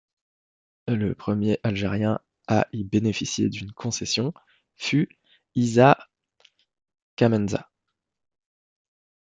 Le premier Algérien à y bénéficier d'une concession fut Isa Khamenza.